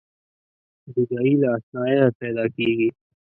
جدایي له اشناییه پیداکیږي.